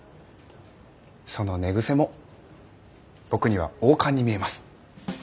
その寝癖も僕には王冠に見えます。